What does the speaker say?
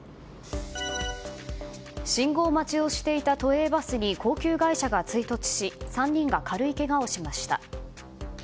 信号待ちをしていた都営バスに高級外車が追突し３人が軽いけがをしました。